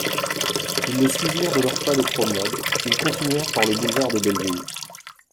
Ils le suivirent de leur pas de promenade, ils continuèrent par le boulevard de Belleville.